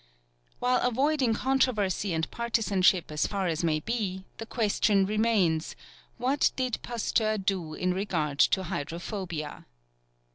While avoiding controversy and partisanship as far as may be, the question remains, What did Pasteur do in regard to hydrophobia?